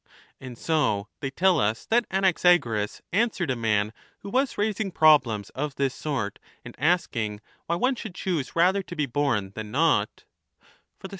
10 And so they tell us that Anaxagoras answered a man who was raising problems of this sort and asking why one should choose rather to be bom than not —' for the sake of 34 : cf.